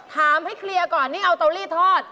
ให้เคลียร์ก่อนนี่เอาเตาลีทอด